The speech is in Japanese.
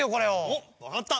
おっわかった。